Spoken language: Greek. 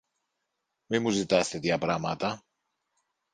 Μη μου ζητάς τέτοια πράματα.